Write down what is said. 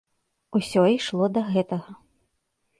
Усё ішло да гэтага.